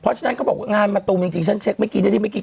เพราะฉะนั้นก็บอกว่างานมะตูมจริงจริงฉันเช็คเมื่อกี้นี่ที่เมื่อกี้